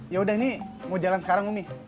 yaudah ini mau jalan sekarang umi